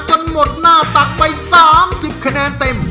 หมดหน้าตักไป๓๐คะแนนเต็ม